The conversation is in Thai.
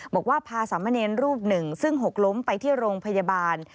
บอกว่าพาสามเณรรูปหนึ่งซึ่งหกล้มไปที่โรงพยาบาล